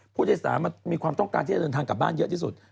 ผู้โดยสารมันมีความต้องการที่จะเดินทางกลับบ้านเยอะที่สุด